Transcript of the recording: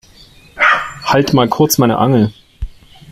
Halt mal kurz meine Angel.